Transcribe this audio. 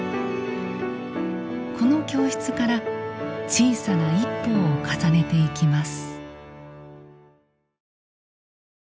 この教室から小さな一歩を重ねていきます。